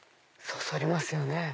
そそりますよね。